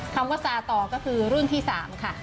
คำว่าซาต่อก็คือรุ่นที่๓ค่ะ